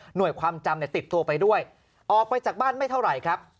ความจำเนี่ยติดตัวไปด้วยออกไปจากบ้านไม่เท่าไหร่ครับ